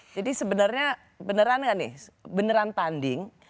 jadi sebenarnya beneran kan nih beneran tanding